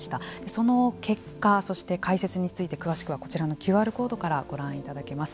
その結果、そして解説について詳しくはこちらのＱＲコードからご覧いただけます。